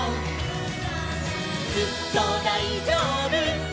「ずっとだいじょうぶ」「」